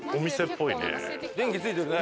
電気ついてるね。